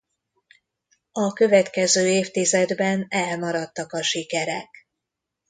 A következő évtizedben elmaradtak a sikerek.